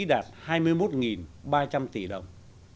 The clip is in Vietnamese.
đạt hai mươi một ba trăm linh tỷ đồng